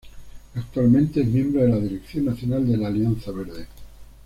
Actualmente es miembro de la Dirección Nacional de la Alianza Verde.